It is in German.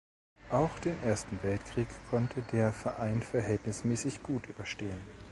Auch den Ersten Weltkrieg konnte der Verein verhältnismäßig gut überstehen.